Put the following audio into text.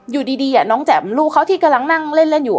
อยู่ดีน้องแจ่มลูกเขาที่กำลังนั่งเล่นอยู่